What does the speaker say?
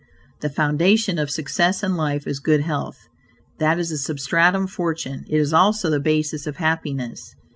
The foundation of success in life is good health: that is the substratum fortune; it is also the basis of happiness.